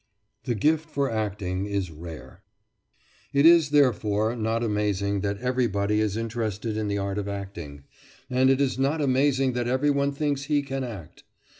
THE GIFT FOR ACTING IS RARE It is, therefore, not amazing that everybody is interested in the art of acting, and it is not amazing that every one thinks he can act.